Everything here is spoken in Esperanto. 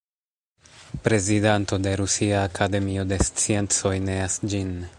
Prezidanto de Rusia Akademio de Sciencoj neas ĝin.